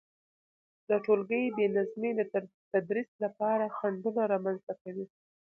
د تولګي بي نظمي د تدريس لپاره خنډونه رامنځته کوي،